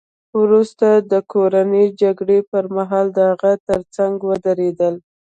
وروسته د کورنۍ جګړې پرمهال د هغه ترڅنګ ودرېدل